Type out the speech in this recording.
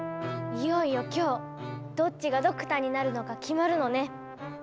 いよいよ今日どっちがドクターになるのか決まるのね。